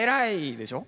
でしょ。